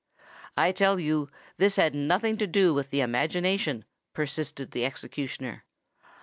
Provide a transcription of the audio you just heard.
"I tell you this had nothing to do with the imagination," persisted the executioner.